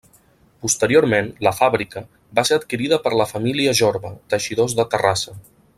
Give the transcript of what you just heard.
Posteriorment, la fàbrica, va ser adquirida per la família Jorba, teixidors de Terrassa.